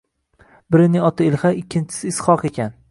Birining oti Ilhaq, ikkinchisiniki Ishoq ekan.